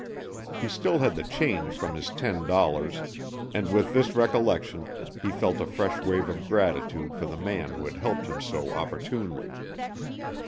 He still had the change from his ten dollars, and with this recollection he felt a fresh wave of gratitude for the man who had helped him so opportunely.